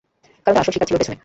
কারণ তার আসল শিকার ছিল পেছনে।